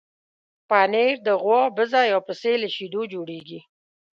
پنېر د غوا، بزه یا پسې له شیدو جوړېږي.